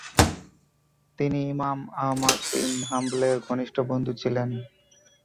তিনি imam Ahmad bin হাম্বলের ঘনিষ্ঠ বন্ধু ছিলেন।